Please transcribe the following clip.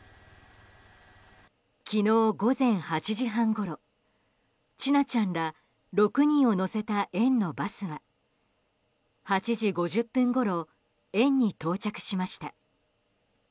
昨日午前８時半ごろ千奈ちゃんら６人を乗せた園のバスは８時５０分ごろ園に到着しました。